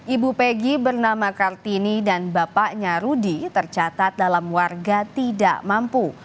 ibu pegi bernama kartini dan bapaknya rudy tercatat dalam warga tidak mampu